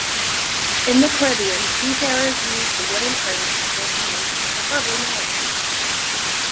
In the Caribbean, seafarers used the wooden frames for smoking meat, preferably manatee.